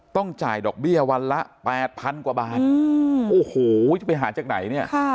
ต้องจ่ายดอกเบี้ยวันละ๘๐๐๐กว่าบาทโอ้โหจะไปหาจากไหนเนี่ย